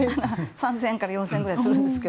３０００円から４０００円ぐらいしますが。